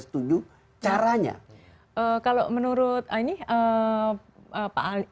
setuju caranya kalau menurut ini pak ali